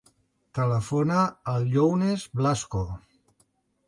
Telefona al Younes Blasco.